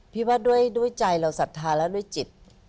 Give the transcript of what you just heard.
พี่ว่าด้วยใจเราศรัทธาแล้วด้วยจิต